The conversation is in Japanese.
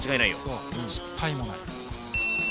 そう失敗もない！